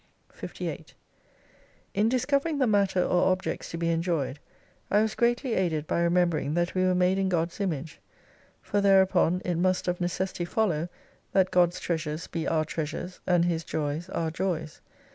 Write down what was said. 58 In discovering the matter or objects to be enjoyed, I was greatly aided by remembering that we were made in God's Image. For thereupon it must of necessity follow that God's Treasures be our Treasures, and His 3oy,s our joys.